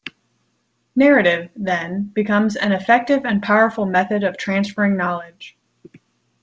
Narrative, then, becomes an effective and powerful method of transferring knowledge.